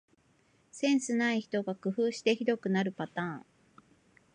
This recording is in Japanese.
センスない人が工夫してひどくなるパターン